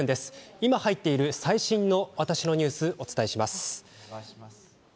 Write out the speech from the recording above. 今、入っている最新の「わたしのニュース」をお伝えします。